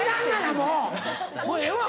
もうええわ！